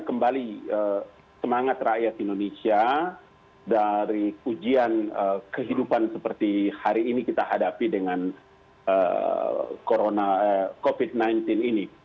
kembali semangat rakyat indonesia dari ujian kehidupan seperti hari ini kita hadapi dengan covid sembilan belas ini